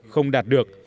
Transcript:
không đạt được